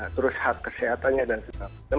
terus hak kesehatannya dan sebagainya